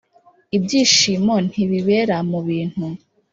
ibyishimo ntibibera mubintu,